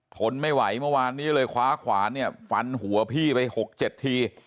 ทนไม่ไหวเมื่อวานนี้เลยคว้าขวานเนี่ยฟันหัวพี่ไป๖๗ที